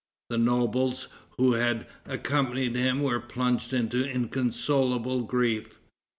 The nobles who had accompanied him were plunged into inconsolable grief.